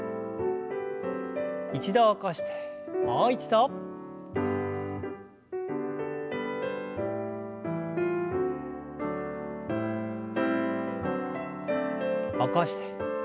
一度起こしてもう一度。起こして。